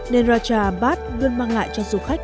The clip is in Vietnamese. nên raja ampat luôn mang lại cho du khách